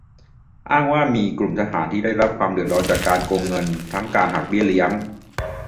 อ้างว่ามีกลุ่มทหารที่ได้รับความเดือดร้อนจากการโกงเงิน ทั้งการหักเบี้ยเลี้ยง